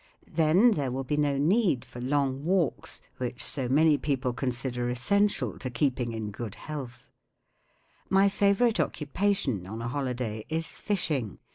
Then there will be no need for long walks, which so many people consider essential to keeping in good health* My favourite occupation on a holiday is fishing.